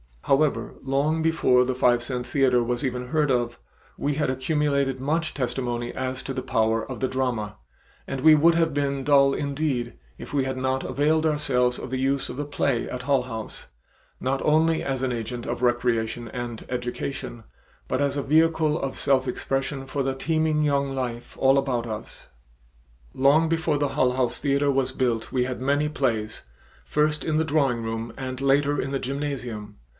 However, long before the five cent theater was even heard of, we had accumulated much testimony as to the power of the drama, and we would have been dull indeed if we had not availed ourselves of the use of the play at Hull House, not only as an agent of recreation and education, but as a vehicle of self expression for the teeming young life all about us. Long before the Hull House theater was built we had many plays, first in the drawing room and later in the gymnasium.